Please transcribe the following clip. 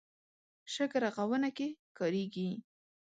شګه رغونه کې کارېږي.